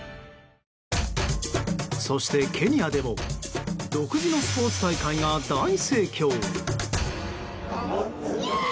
そして、ケニアでも独自のスポーツ大会が大盛況。